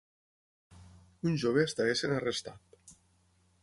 Un jove està essent arrestat.